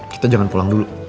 kita jangan pulang dulu